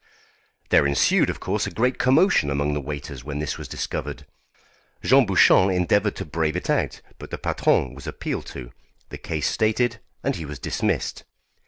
There ensued, of course, a great commotion among the waiters when this was discovered. Jean Bouchon endeavoured to brave it out, but the patron was appealed to, the case stated, and he was dismissed.